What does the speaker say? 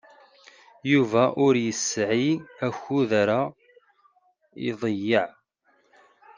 Yuba ur yesɛi akud ara iḍeyyeɛ.